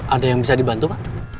ada yang bisa dibantu pak